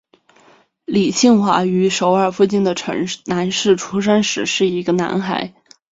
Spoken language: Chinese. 李庆烨于首尔附近的城南市出生时是一个男孩。